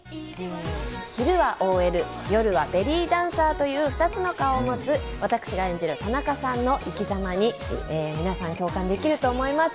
昼はＯＬ、夜はベリーダンサーという２つの顔を持つ、私が演じる田中さんの生きざまに、皆さん、共感できると思います。